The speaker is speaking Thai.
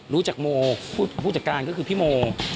รู้จักโมผู้จัดการก็คือพี่โม